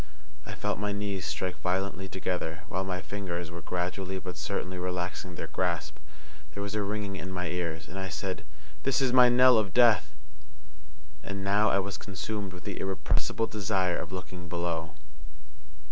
I felt my knees strike violently together, while my fingers were gradually but certainly relaxing their grasp. There was a ringing in my ears, and I said, "This is my knell of death!" And now I was consumed with the irrepressible desire of looking below.